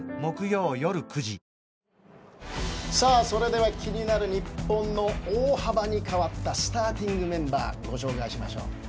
それでは、気になる日本の、大幅に変わったスターティングメンバーをご紹介しましょう。